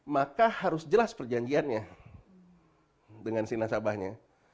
maka harus jelas perjanjiannya dengan si nasabahnya